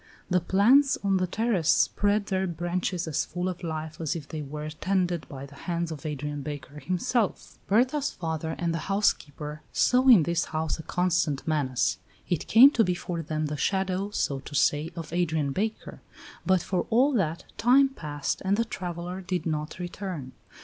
The plants on the terrace spread their branches as full of life as if they were tended by the hands of Adrian Baker himself. Berta's father and the housekeeper saw in this house a constant menace; it came to be for them the shadow, so to say, of Adrian Baker; but for all that, time passed and the traveller did not return.